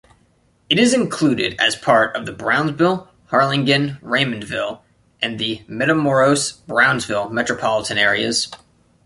It is included as part of the Brownsville-Harlingen-Raymondville and the Matamoros-Brownsville metropolitan areas.